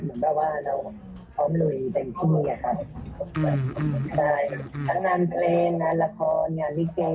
เหมือนกับว่าเราพร้อมลุยเป็นพี่เมียค่ะทั้งนั้นเพลงนั้นละครงานลิเกศ์